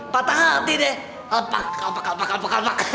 patah hati deh lepak lepak lepak lepak lepak